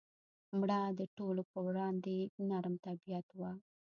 مړه د ټولو پر وړاندې نرم طبیعت وه